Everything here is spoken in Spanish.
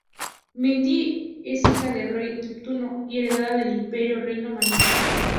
Mindy es hija del Rey Neptuno y heredera del imperio reino marino.